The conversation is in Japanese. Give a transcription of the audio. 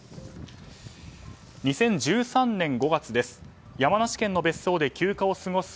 ２０１３年５月です。